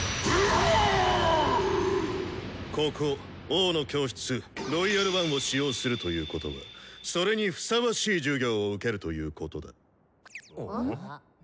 ここ「王の教室」「ロイヤル・ワン」を使用するということはそれにふさわしい授業を受けるということだ。